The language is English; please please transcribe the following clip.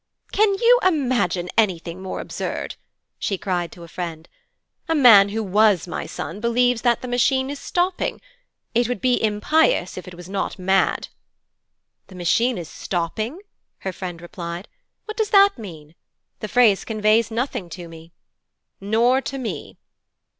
'Can you imagine anything more absurd?' she cried to a friend. 'A man who was my son believes that the Machine is stopping. It would be impious if it was not mad.' 'The Machine is stopping?' her friend replied. 'What does that mean? The phrase conveys nothing to me.' 'Nor to me.'